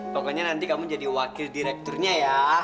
pokoknya nanti kamu jadi wakil direkturnya ya